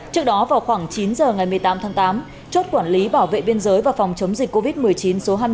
trước đó vào khoảng chín giờ ngày một mươi tám tháng tám chốt quản lý bảo vệ biên giới và phòng chống dịch covid một mươi chín số hai mươi bốn